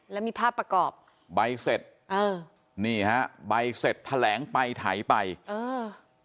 แล้วมีภาพประกอบใบเศษเออนี่ฮะใบเศษแถลงไปถ่ายไปเออ